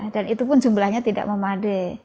dan itu pun jumlahnya tidak memade